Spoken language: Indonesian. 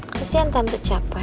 kesian tante capek